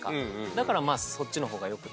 だからまぁそっちの方がよくて。